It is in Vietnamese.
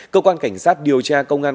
cơ quan cảnh sát điều tra công an